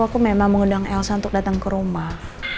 aku memang mengundang elsa untuk datang ke rumah